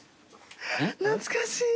懐かしい。